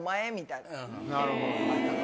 なるほど。